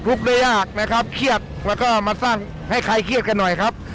ได้ยากนะครับเครียดแล้วก็มาสร้างให้ใครเครียดกันหน่อยครับ